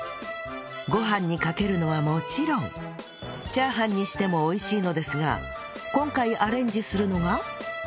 ご飯にかけるのはもちろんチャーハンにしても美味しいのですが今回アレンジするのが